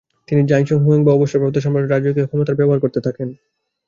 তিনি তাইশাং হুয়াং বা অবসরপ্রাপ্ত সম্রাট হলেও রাজকীয় ক্ষমতার ব্যবহার করতে থাকেন।